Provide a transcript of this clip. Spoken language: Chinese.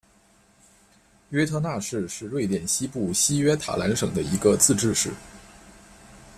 约特讷市是瑞典西部西约塔兰省的一个自治市。